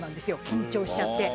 緊張しちゃって。